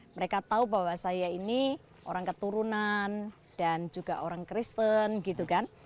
mereka tahu bahwa saya ini orang keturunan dan juga orang kristen gitu kan